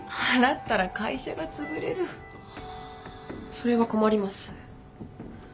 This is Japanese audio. それは困ります。